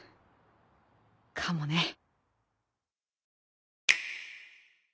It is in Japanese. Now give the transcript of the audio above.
かもね。